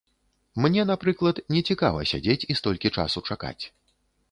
Мне, напрыклад, не цікава сядзець і столькі часу чакаць.